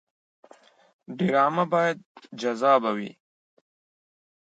ډرامه باید جذابه وي